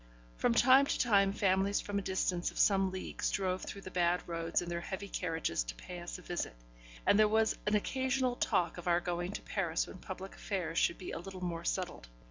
From time to time families from a distance of some leagues drove through the bad roads in their heavy carriages to pay us a visit, and there was an occasional talk of our going to Paris when public affairs should be a little more settled.